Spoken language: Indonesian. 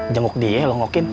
jenguk dia loh ngokin